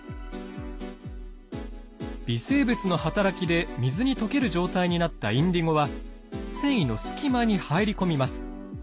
微生物の働きで水に溶ける状態になったインディゴは繊維の隙間に入り込みます。